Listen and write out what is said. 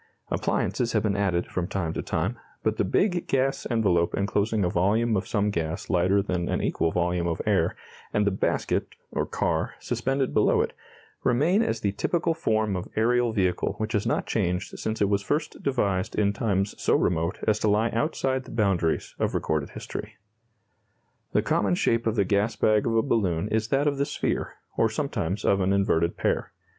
Appliances have been added from time to time, but the big gas envelope enclosing a volume of some gas lighter than an equal volume of air, and the basket, or car, suspended below it, remain as the typical form of aerial vehicle which has not changed since it was first devised in times so remote as to lie outside the boundaries of recorded history. The common shape of the gas bag of a balloon is that of the sphere, or sometimes of an inverted pear.